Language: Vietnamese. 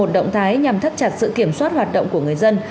động thái nhằm thắt chặt sự kiểm soát hoạt động của người dân